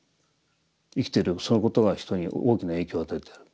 生きているそのことが人に大きな影響を与えている。